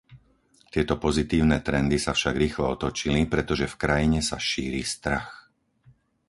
Tieto pozitívne trendy sa však rýchlo otočili, pretože v krajine sa šíri strach.